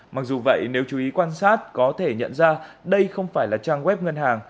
mặc dù vậy nếu chú ý quan sát có thể nhận ra đây không phải là trang web ngân hàng